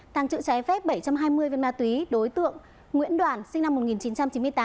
thăng trự trái phép bảy trăm hai mươi viên ma túy đối tượng nguyễn đoàn sinh năm một nghìn chín trăm chín mươi tám